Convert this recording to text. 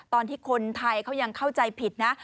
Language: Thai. ตอนที่คนไทยเขายังเข้าใจผิดนะ